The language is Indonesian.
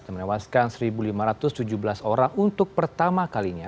menewaskan satu lima ratus tujuh belas orang untuk pertama kalinya